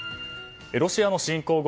ロシアの侵攻後